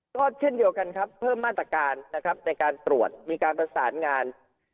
ก็เช่นเดียวกันครับเพิ่มมาตรการนะครับในการตรวจมีการประสานงาน